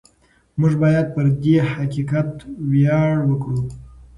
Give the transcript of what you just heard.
موږ باید پر دې حقیقت ویاړ وکړو.